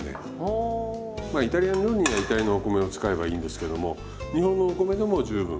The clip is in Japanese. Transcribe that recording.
まあイタリアの料理にはイタリアのお米を使えばいいんですけども日本のお米でも十分。